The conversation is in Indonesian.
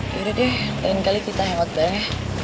yaudah deh lain kali kita hemat bareng ya